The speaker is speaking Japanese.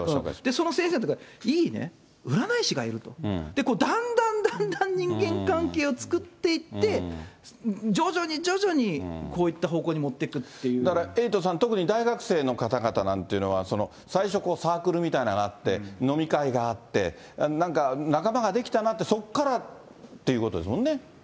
その先生のとこに行ったら、いい占い師がいると、それでだんだんだんだん、人間関係を作っていって、徐々に徐々に、こういっだからエイトさん、特に大学生の方々なんていうのは、最初、サークルみたいなのがあって、飲み会があって、なんか仲間が出来たなって、そっからっていうことですもんね。